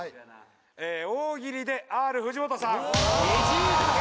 大喜利でＲ藤本さん。